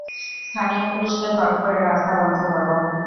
স্থানীয় পুলিশকে কল করে রাস্তা বন্ধ করো।